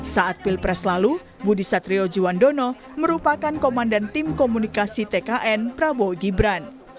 saat pilpres lalu budi satriojiwandono merupakan komandan tim komunikasi tkn prabowo gibran